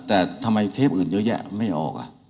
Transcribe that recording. แต่ทำไมเทปอื่นเยอะแยะไม่ออก